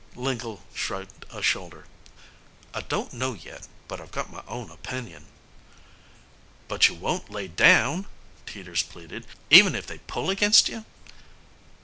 Lingle shrugged a shoulder. "I don't know yet, but I've got my own opinion." "But you won't lay down," Teeters pleaded, "even if they pull against you?"